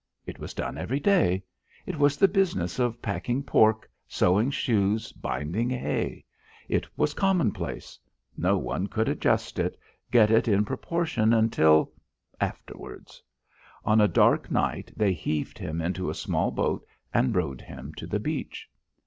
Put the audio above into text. It was done every day. It was the business of packing pork, sewing shoes, binding hay. It was commonplace. No one could adjust it, get it in proportion, until afterwards. On a dark night, they heaved him into a small boat and rowed him to the beach.